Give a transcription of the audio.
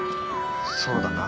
そうだな。